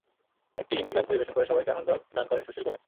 একটি হিন্দি গান পরিবেশন করে সবাইকে আনন্দ দান করেন সুশীল গোমেজ।